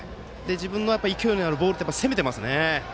自分の勢いのあるボールで攻めていますよね。